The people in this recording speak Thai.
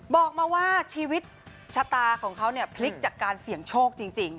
บอกมาว่าชีวิตชะตาของเขาเนี่ยพลิกจากการเสี่ยงโชคจริง